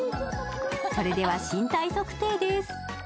それでは身体測定です。